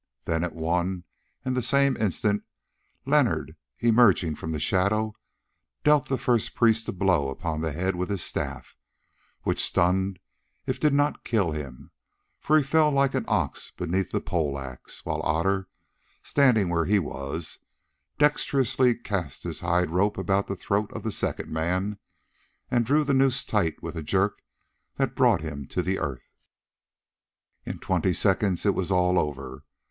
Then, at one and the same instant, Leonard, emerging from the shadow, dealt the first priest a blow upon the head with his staff, which stunned if it did not kill him, for he fell like an ox beneath the pole axe, while Otter, standing where he was, dexterously cast his hide rope about the throat of the second man, and drew the noose tight with a jerk that brought him to the earth. In twenty seconds it was all over.